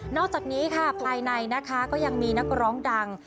อกจากนี้ค่ะภายในนะคะก็ยังมีนักร้องดัง